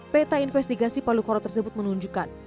peta investigasi palu koro tersebut menunjukkan